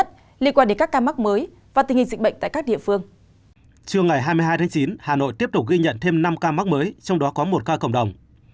trưa ngày hai mươi hai tháng chín hà nội tiếp tục ghi nhận thêm năm ca mắc mới trong đó có một ca cộng đồng